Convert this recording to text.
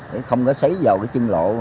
để không có xấy vào cái chân lộ